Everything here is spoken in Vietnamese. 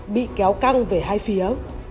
bị kéo căng về hai phía